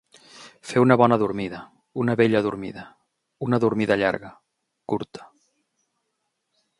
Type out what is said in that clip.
Fer una bona dormida, una bella dormida, una dormida llarga, curta.